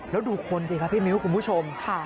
แล้วดูคนสิครับพี่มิ้วคุณผู้ชม